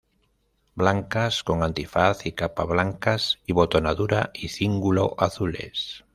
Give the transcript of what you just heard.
Blancas, con antifaz y capa blancas, y botonadura y cíngulo azules.